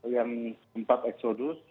yang tempat eksodus